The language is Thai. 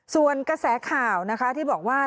ส่วนกระแสข่าวนะคะที่บอกว่า